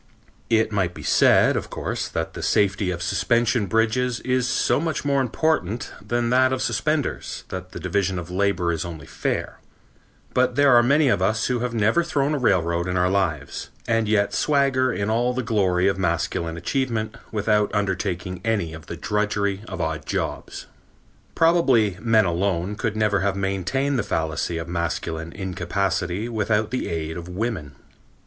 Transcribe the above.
It might be said, of course, that the safety of suspension bridges is so much more important than that of suspenders that the division of labor is only fair, but there are many of us who have never thrown a railroad in our lives, and yet swagger in all the glory of masculine achievement without undertaking any of the drudgery of odd jobs. Probably men alone could never have maintained the fallacy of masculine incapacity without the aid of women.